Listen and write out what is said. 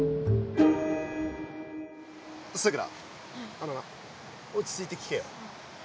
あのな落ち着いて聞けよ。